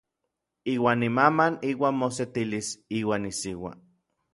Iuan imaman iuan mosetilis iuan isiua.